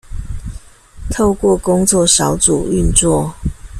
透過工作小組運作